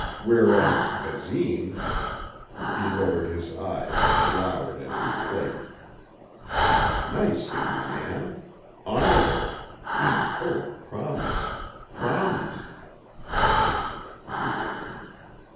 Whereas Basine.... He lowered his eyes and glowered at his plate.... Nice young man. Honorable. And full of promise ... promise....